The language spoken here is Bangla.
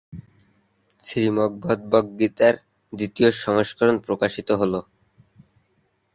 হাইতীয় ভাষাটি ফরাসি ভাষা-ভিত্তিক একটি ক্রেওল ভাষা।